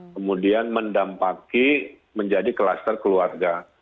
kemudian mendampaki menjadi kluster keluarga